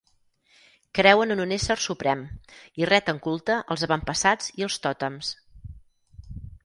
Creuen en un ésser suprem i reten culte als avantpassats i als tòtems.